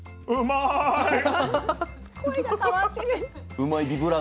うまいッ！